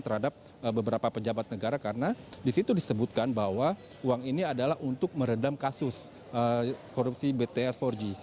terhadap beberapa pejabat negara karena disitu disebutkan bahwa uang ini adalah untuk meredam kasus korupsi bts empat g